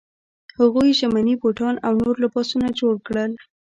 هغوی ژمني بوټان او نور لباسونه جوړ کړل.